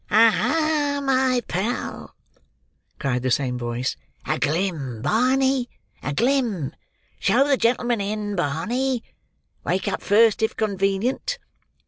"Aha! my pal!" cried the same voice. "A glim, Barney, a glim! Show the gentleman in, Barney; wake up first, if convenient."